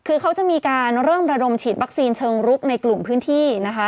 คือเขาจะมีการเริ่มระดมฉีดวัคซีนเชิงรุกในกลุ่มพื้นที่นะคะ